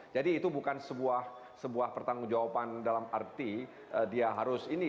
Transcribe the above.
jadi itu bukan sebuah pertanggung jawaban dalam arti dia harus ini